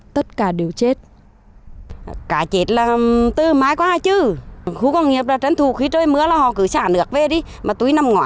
tất cả đều chết